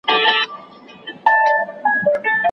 ټولنيز پيوستون تر بل هر څه مهم دی.